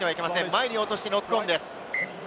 前に落としてノックオンです。